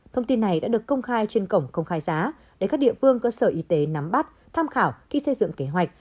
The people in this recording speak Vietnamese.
thông tin này đã được công khai trên cổng công khai giá để các địa phương cơ sở y tế nắm bắt tham khảo khi xây dựng kế hoạch